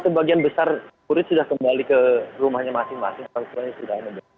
sebagian besar kurit sudah kembali ke rumahnya masing masing